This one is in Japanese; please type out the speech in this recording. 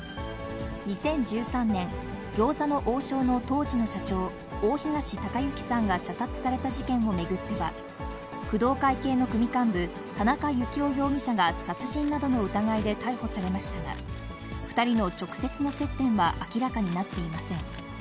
２０１３年、餃子の王将の当時の社長、大東隆行さんが射殺された事件を巡っては、工藤会系の組幹部、田中幸雄容疑者が殺人などの疑いで逮捕されましたが、２人の直接の接点は明らかになっていません。